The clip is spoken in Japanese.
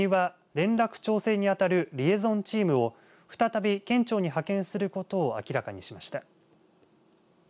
また国は連絡調整にあたるリエゾンチームを再び県庁に派遣することを明らかにしました。